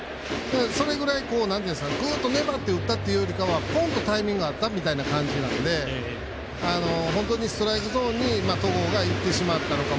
それぐらいグーッと粘って打ったというよりはポンとタイミング合ったみたいな感じなので本当にストライクゾーンがいってしまったのか